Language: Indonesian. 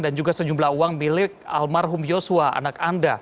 dan juga sejumlah uang milik almarhum yosua anak anda